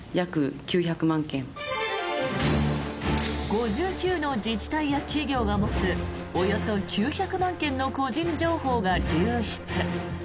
５９の自治体や企業が持つおよそ９００万件の個人情報が流出。